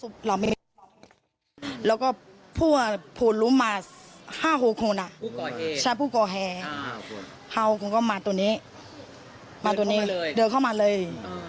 เดินเข้ามาแล้วก็อุ้มเขาเลย